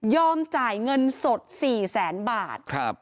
จ่ายเงินสด๔แสนบาท